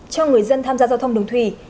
cho người dân tham gia giao thông đường thủy